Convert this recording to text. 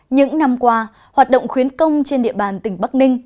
những năm qua hoạt động khuyến công trên địa bàn tỉnh bắc ninh